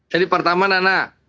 jadi pertama nana